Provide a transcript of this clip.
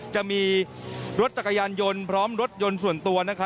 จะมีรถจักรยานยนต์พร้อมรถยนต์ส่วนตัว